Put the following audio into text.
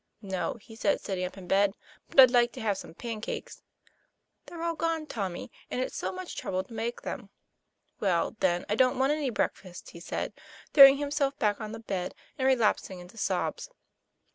"No," he said, sitting up in bed, "but I'd like to have some pancakes." : They're all gone, Tommy, and it's so much trouble to make them." 'Well, then, I don't want any breakfast," he said, throwing himself back on the bed, and relapsing into sobs.